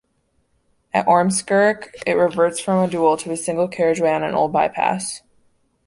At Ormskirk, it reverts from a dual to single carriageway on an old bypass.